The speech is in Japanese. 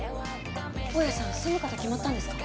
大家さん住む方決まったんですか？